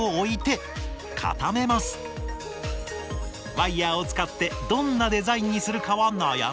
ワイヤーを使ってどんなデザインにするかは悩みどころ。